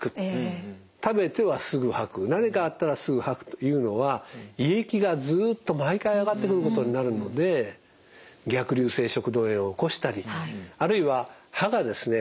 食べてはすぐ吐く何かあったらすぐ吐くというのは胃液がずっと毎回上がってくることになるので逆流性食道炎を起こしたりあるいは歯がですね